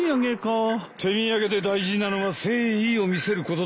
手土産で大事なのは誠意を見せることだ。